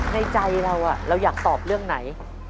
ในใจเราเราอยากตอบเรื่องไหน